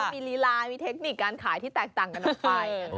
มีลีลามีเทคนิคการขายที่แตกต่างกันออกไป